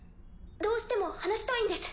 どうしても話したいんです。